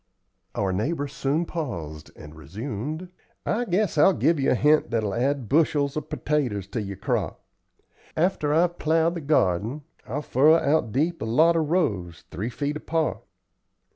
Our neighbor soon paused and resumed: "I guess I'll give you a hint that'll add bushels of pertaters to yer crop. After I've plowed the garden, I'll furrow out deep a lot of rows, three feet apart.